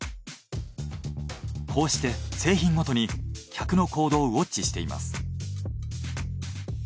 こうして製品ごとに客の行動をウォッチしています。